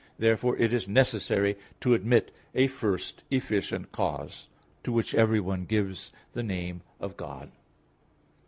Therefore it is necessary to admit a first efficient cause, to which everyone gives the name of God.